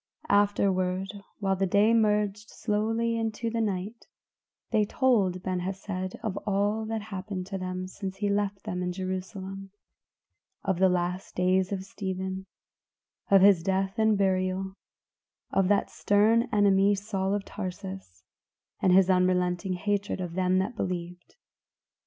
'" Afterward, while the day merged slowly into the night, they told Ben Hesed of all that happened to them since he had left them in Jerusalem; of the last days of Stephen, of his death and burial; of that stern enemy, Saul of Tarsus, and his unrelenting hatred of them that believed.